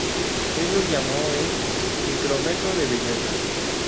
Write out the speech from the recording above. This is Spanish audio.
Él lo llamó el "micrómetro de belleza".